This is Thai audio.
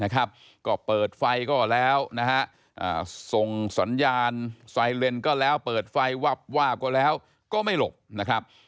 ก็เปิดไฟก็แล้วนะฮะส่งสัญญาณไซเลนก็แล้วเปิดไฟวับวาบก็แล้วก็ไม่หลบนะครับ